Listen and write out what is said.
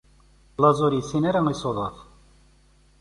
Laẓ ur yessin ara isuḍaf.